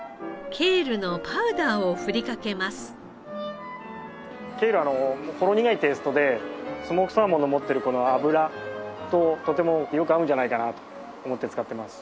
ケールはほろ苦いテイストでスモークサーモンの持ってるこの脂ととてもよく合うんじゃないかなと思って使ってます。